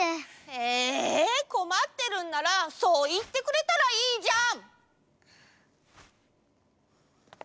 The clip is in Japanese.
えこまってるんならそういってくれたらいいじゃん！